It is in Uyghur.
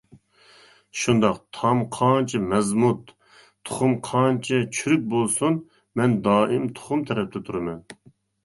شۇنداق، تام قانچە مەزمۇت، تۇخۇم قانچە چۈرۈك بولسۇن، مەن دائىم تۇخۇم تەرەپتە تۇرىمەن.